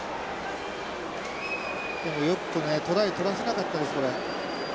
よくトライ取らせなかったですこれ。